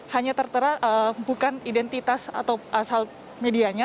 hanya tertera bukan identitas atau asal medianya